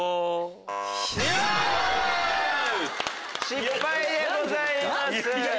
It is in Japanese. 失敗でございます。